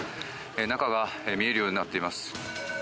中が見えるようになっています。